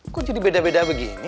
kok jadi beda beda begini